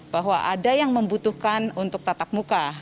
bahwa ada yang membutuhkan untuk tatap muka